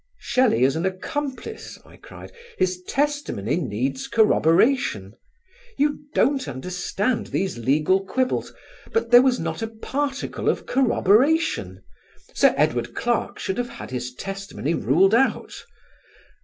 "Shelley is an accomplice," I cried, "his testimony needs corroboration. You don't understand these legal quibbles; but there was not a particle of corroboration. Sir Edward Clarke should have had his testimony ruled out.